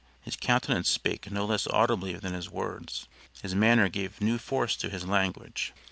His countenance spake no less audibly than his words. His manner gave new force to his language.